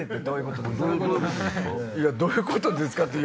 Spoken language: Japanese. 「どういうことですか？」